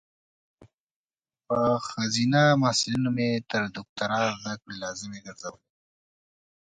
په خځینه محصلینو مې تر دوکتوری ذدکړي لازمي ګرزولي